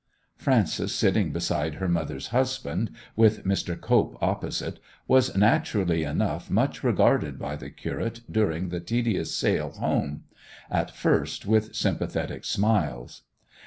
Frances, sitting beside her mother's husband, with Mr. Cope opposite, was naturally enough much regarded by the curate during the tedious sail home; at first with sympathetic smiles.